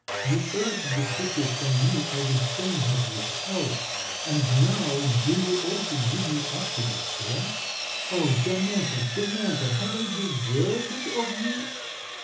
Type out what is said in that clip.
You urged the secret from me I would fain have withheld; and now do you also give me up to despair? Oh Janetta! Janetta! have I deserved it of you?